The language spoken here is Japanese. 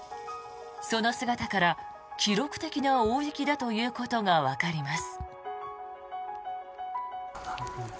その姿から記録的な大雪だということがわかります。